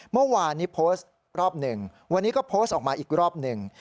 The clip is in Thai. เมื่อวานนี้โพสต์รอบหนึ่งวันนี้ก็โพสต์ออกมาอีกรอบหนึ่ง